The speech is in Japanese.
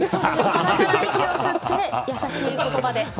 鼻から息を吸って優しい言葉で。